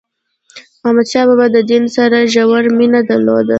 احمد شاه بابا د دین سره ژوره مینه درلوده.